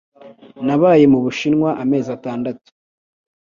Nabaye mu Bushinwa amezi atandatu.